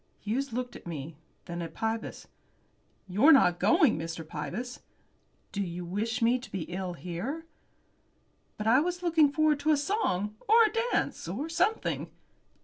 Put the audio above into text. Hughes looked at me, then at Pybus. "You're not going, Mr. Pybus?" "Do you wish me to be ill here?" "But I was looking forward to a song, or a dance, or something."